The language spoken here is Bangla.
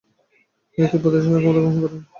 তিনি তিব্বতের শাসনক্ষমতা গ্রহণ করেন।